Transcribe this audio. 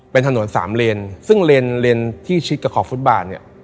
เป็นถนนสามเลนซึ่งเลนเลนที่ชิดกับขอบฟุตบาลเนี่ย